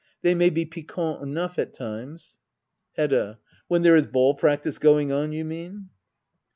They may be piquant enough at times. Hedda. When there is ball practice going on, you mean